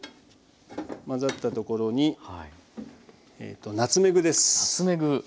混ざったところにえっとナツメグです。